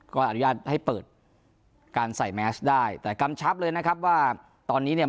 ก็อนุญาตให้เปิดการใส่แมสได้แต่กำชับเลยนะครับว่าตอนนี้เนี่ย